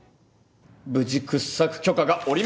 無事掘削許可が下りました。